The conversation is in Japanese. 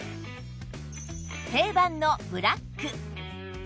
定番のブラック